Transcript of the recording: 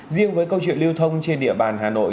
riêng với câu chuyện lưu thông trên địa bàn hà nội